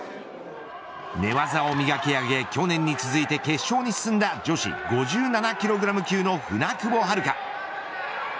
寝技を磨き上げ去年に続いて決勝に進んだ女子５７キログラム級の舟久保遥香。